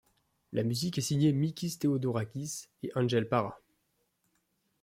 La musique est signée Mikis Theodorakis et Ángel Parra.